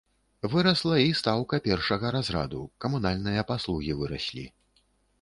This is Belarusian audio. Вырасла і стаўка першага разраду, камунальныя паслугі выраслі.